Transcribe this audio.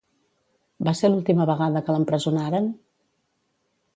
Va ser l'última vegada que l'empresonaren?